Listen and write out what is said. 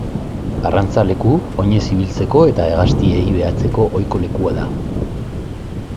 Arrantza leku, oinez ibiltzeko eta hegaztiei behatzeko ohiko lekua da.